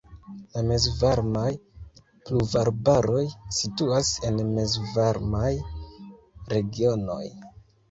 La mezvarmaj pluvarbaroj situas en mezvarmaj regionoj.